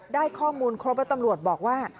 ได้ข้อมูลครบแล้วตำรวจบอกว่า